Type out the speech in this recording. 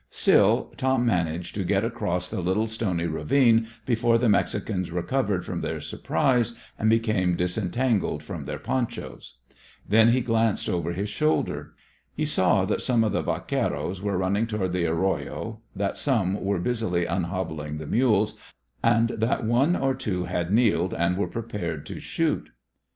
Still, Tom managed to get across the little stony ravine before the Mexicans recovered from their surprise and became disentangled from their ponchos. Then he glanced over his shoulder. He saw that some of the vaqueros were running toward the arroya, that some were busily unhobbling the mules, and that one or two had kneeled and were preparing to shoot.